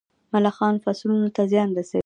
ملخان فصلونو ته زیان رسوي.